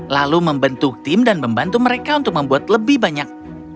lalu membentuk tim dan membantu mereka untuk membuat lebih banyak